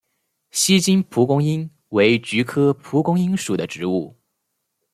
锡金蒲公英为菊科蒲公英属的植物。